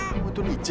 kamu itu dari mana